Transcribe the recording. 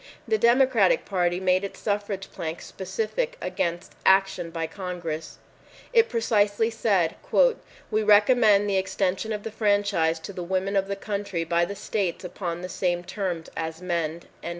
The Democratic Party made its suffrage plank specific against action by Congress. It precisely said, "We recommend the extension of the franchise to the women of the country by the states upon the same terms as men."